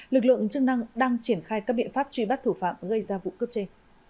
lực lượng chức năng đang triển khai các biện pháp truy bắt thủ phạm gây ra vụ cướp chê